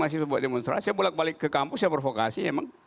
saya buat demonstrasi saya pulak balik ke kampus saya provokasi